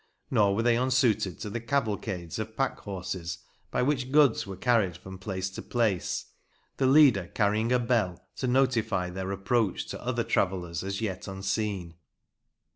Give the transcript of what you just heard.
Nor were they unsuited to the cavalcades of packhorses by which goods were OLD TIME TRAVEL IN LANCASHIRE 71 carried from place to place, the leader carrying a bell to notify their approach to other travellers as yet unseen.